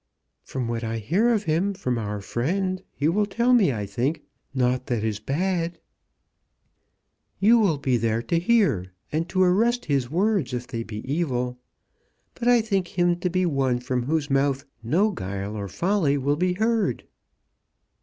"From what I hear of him from our friend he will tell me, I think, naught that is bad. You will be there to hear, and to arrest his words if they be evil. But I think him to be one from whose mouth no guile or folly will be heard."